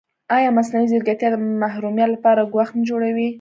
ایا مصنوعي ځیرکتیا د محرمیت لپاره ګواښ نه جوړوي؟